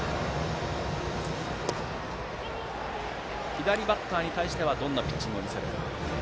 左バッターに対してはどんなピッチングを見せるか。